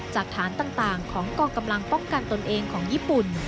จากฐานต่างของกองกำลังป้องกันตนเองของญี่ปุ่น